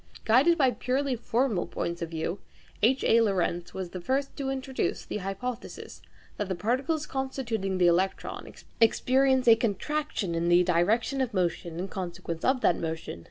Guided by purely formal points of view, H. A. Lorentz was the first to introduce the hypothesis that the form of the electron experiences a contraction in the direction of motion in consequence of that motion.